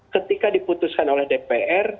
ketika diputuskan oleh dpr